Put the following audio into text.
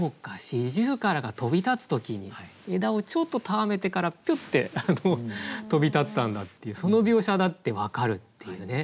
四十雀が飛び立つ時に枝をちょっとたわめてからピュッて飛び立ったんだっていうその描写だって分かるっていうね。